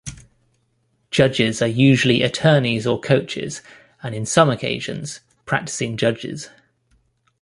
Judges are usually attorneys or coaches, and in some occasions, practicing judges.